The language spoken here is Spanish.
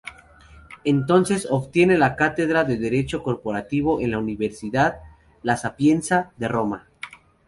Entonces obtiene la cátedra de derecho corporativo en la Universidad "La Sapienza" de Roma.